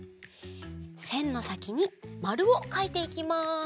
せんのさきにマルをかいていきます。